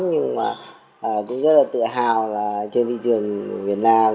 nhưng cũng rất tự hào trên thị trường việt nam